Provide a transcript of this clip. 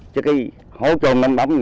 chứ cái hố trôn nắm đấm